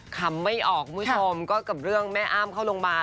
คำไม่ออกคุณผู้ชมก็กับเรื่องแม่อ้ามเข้าโรงพยาบาล